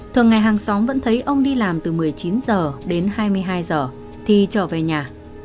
thường ngày hàng xóm vẫn thấy ông đi làm từ một mươi chín h đến hai mươi hai h thì trở về nhà